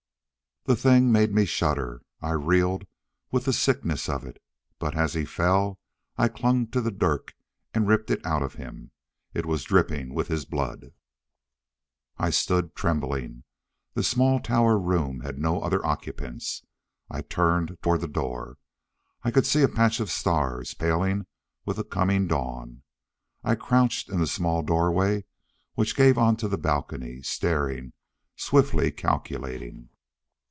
The thing made me shudder. I reeled with the sickness of it, but as he fell I clung to the dirk and ripped it out of him. It was dripping with his blood. I stood trembling. The small tower room had no other occupants. I turned toward the door. I could see a patch of stars, paling with the coming dawn. I crouched in the small doorway which gave onto the balcony, staring, swiftly calculating.